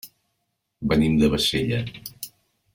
Venim de Bassella.